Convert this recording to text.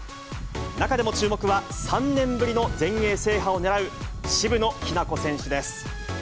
中でも注目は、３年ぶりの全英制覇をねらう渋野日向子選手です。